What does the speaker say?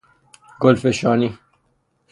گلفشانی